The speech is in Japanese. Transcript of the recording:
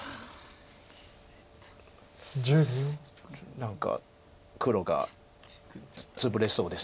何か黒がツブれそうです。